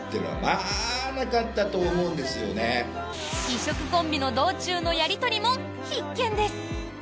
異色コンビの道中のやりとりも必見です！